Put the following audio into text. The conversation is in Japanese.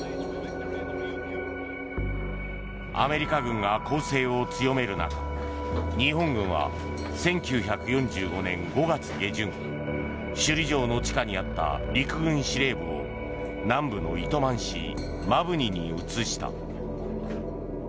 アメリカ軍が攻勢を強める中日本軍は１９４５年５月下旬首里城の地下にあった陸軍司令部を南部の糸満市摩文仁に移した。